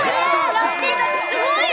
ラッピーたちすごいよ！